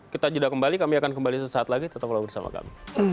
kita jeda kembali kami akan kembali sesaat lagi tetaplah bersama kami